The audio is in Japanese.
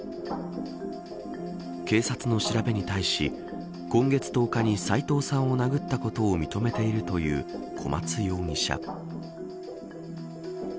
警察の調べに対し今月１０日に斎藤さんを殴ったことを認めているという小松容疑者。